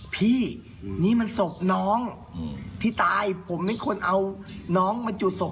พี่นี่มันศพน้องที่ตายผมไม่ควรเอาน้องมาจุดศพ